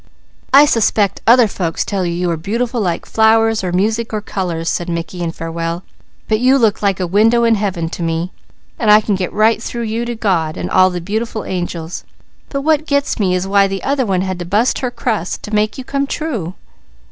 "I 'spect other folks tell you you are beautiful like flowers, or music, or colours," said Mickey in farewell, "but you look like a window in Heaven to me, and I can see right through you to God and all the beautiful angels; but what gets me is why the other one had to bust her crust, to make you come true!"